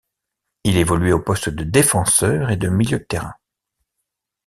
Il évoluait au poste de défenseur et de milieu de terrain.